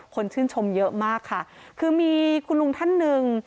คนชื่นชมเยอะมากค่ะคือมีคุณลุงท่านหนึ่ง